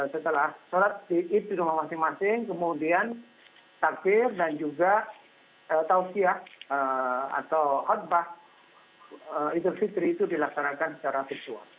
setelah sholat id di rumah masing masing kemudian takdir dan juga tausiyah atau khutbah idul fitri itu dilaksanakan secara virtual